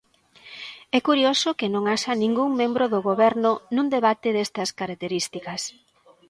É curioso que non haxa ningún membro do Goberno nun debate destas características.